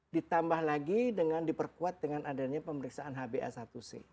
ditambah lagi dengan diperkuat dengan adanya pemeriksaan hba satu c